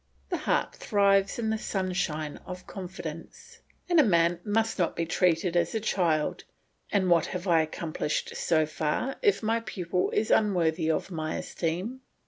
The heart thrives in the sunshine of confidence, and a man must not be treated as a child; and what have I accomplished so far, if my pupil is unworthy of my esteem?